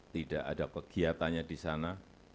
tidak ada kegiatannya di sana